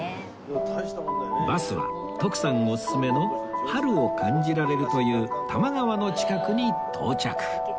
バスは徳さんおすすめの春を感じられるという多摩川の近くに到着！